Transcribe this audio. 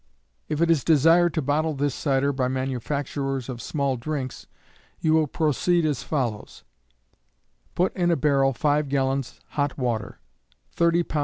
If it is desired to bottle this cider by manufacturers of small drinks, you will proceed as follows: Put in a barrel 5 gallons hot water, 30 lbs.